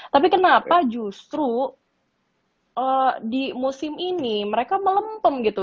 tapi kenapa justru di musim ini mereka melempem gitu